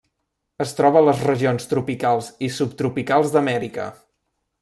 Es troba a les regions tropicals i subtropicals d'Amèrica.